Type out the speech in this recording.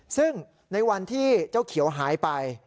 ซึ่งในวันที่เจ้าเขียวหายไป